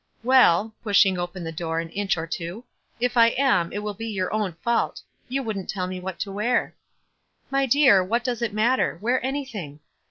"Well," pushing open the door an inch or two, "if 1 am, it will be your own fault; you wouldn't tell me what to wear." "My dear, what does it matter? Wear any thing."